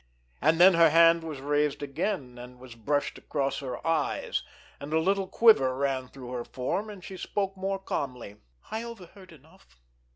And then her hand was raised again, and was brushed across her eyes, and a little quiver ran through her form, and she spoke more calmly. "I overheard enough.